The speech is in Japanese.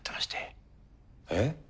えっ？